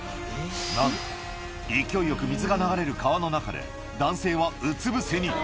なんと、勢いよく水が流れる川の中で男性はうつ伏せに。